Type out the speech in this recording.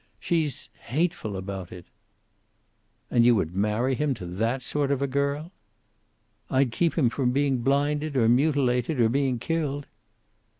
She's hateful about it." "And you would marry him to that sort of a girl?" "I'd keep him from being blinded, or mutilated, or being killed."